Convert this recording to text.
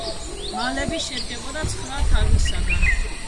მალები შედგებოდა ცხრა თაღისაგან.